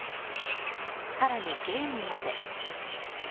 更にゲームまで。